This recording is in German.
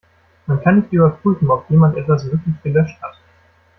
Man kann nicht überprüfen, ob jemand etwas wirklich gelöscht hat.